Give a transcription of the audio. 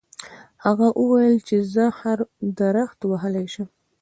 هغه وویل چې زه هر درخت وهلی شم.